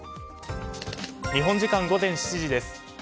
日本時間午前７時です。